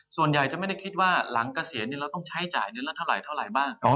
ส่วนใหญ่จะไม่ได้คิดว่าหลังเกษียณเราต้องใช้จ่ายเงินละเท่าไหร่บ้าง